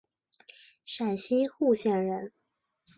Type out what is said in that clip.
陕西户县人。